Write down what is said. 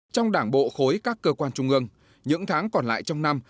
trong đảng bộ khối các cơ quan trung ương những tháng còn lại trong năm